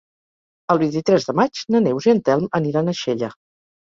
El vint-i-tres de maig na Neus i en Telm aniran a Xella.